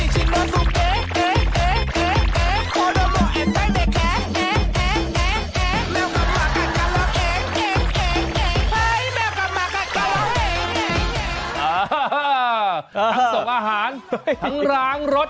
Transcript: ส่งอาหารทั้งล้างรถ